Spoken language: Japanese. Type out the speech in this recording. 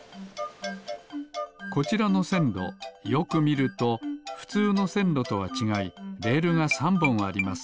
こちらのせんろよくみるとふつうのせんろとはちがいレールが３ぼんあります。